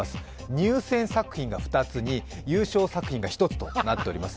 入選作品が２つに優勝作品が１つとなっています。